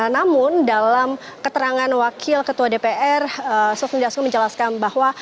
namun dalam keterangan wakil ketua dpr sofni dasko menjelaskan bahwa